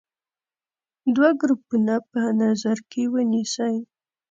دوه ګروپونه په نظر کې ونیسئ.